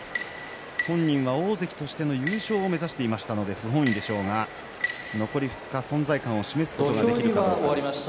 本人は大関としての優勝を目指していましたので不本意でしょうが残り２日間存在感を示すことができるかどうかです。